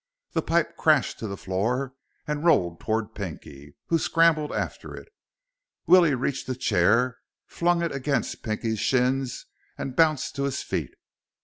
The pipe crashed to the floor and rolled toward Pinky, who scrambled after it. Willie reached a chair, flung it against Pinky's shins, and bounced to his feet.